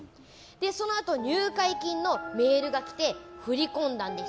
そのあと、入会金のメールが来て振り込んだんです。